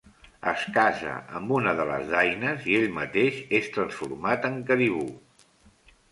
Es casa amb una de les daines i ell mateix és transformat en caribú.